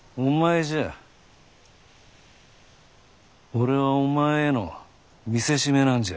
俺はお前への見せしめなんじゃ。